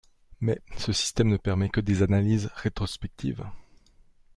Mais, ce système ne permet que des analyses rétrospectives.